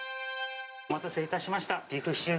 お待たせいたしました。